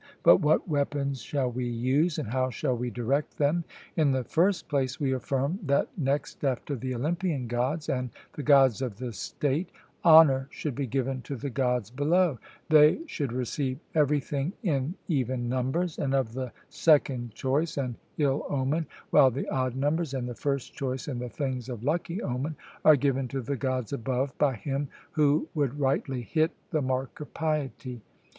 But what weapons shall we use, and how shall we direct them? In the first place, we affirm that next after the Olympian Gods and the Gods of the State, honour should be given to the Gods below; they should receive everything in even numbers, and of the second choice, and ill omen, while the odd numbers, and the first choice, and the things of lucky omen, are given to the Gods above, by him who would rightly hit the mark of piety.